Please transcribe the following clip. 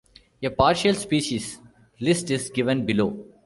A partial species list is given below.